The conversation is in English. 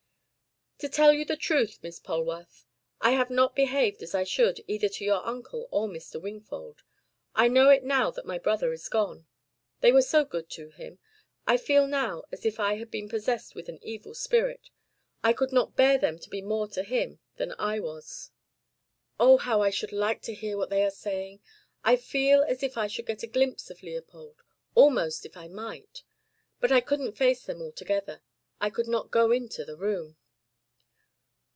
"To tell you the truth, Miss Polwarth, I have not behaved as I should either to your uncle or Mr. Wingfold. I know it now that my brother is gone. They were so good to him! I feel now as if I had been possessed with an evil spirit. I could not bear them to be more to him than I was. Oh, how I should like to hear what they are saying! I feel as if I should get a glimpse of Leopold almost, if I might. But I couldn't face them all together. I could not go into the room."